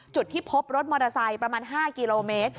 จุดที่พบรถมอเตอร์ไซค์ประมาณ๕กิโลเมตร